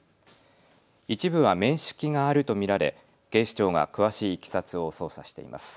一部は面識があると見られ警視庁が詳しいいきさつを捜査しています。